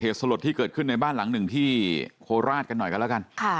สลดที่เกิดขึ้นในบ้านหลังหนึ่งที่โคราชกันหน่อยกันแล้วกัน